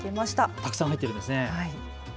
たくさん入っているんですね。